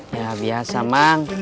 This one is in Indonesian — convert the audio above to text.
ya biasa mang